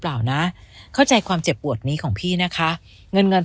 เปล่านะเข้าใจความเจ็บปวดนี้ของพี่นะคะเงินเงิน